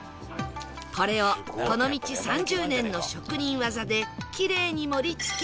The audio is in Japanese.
これをこの道３０年の職人技でキレイに盛り付け